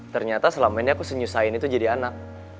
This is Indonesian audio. ternyata selama ini aku senyusain itu jadi anak